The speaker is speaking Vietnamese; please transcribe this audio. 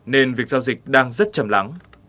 nên việc giao dịch đang rất chầm lắng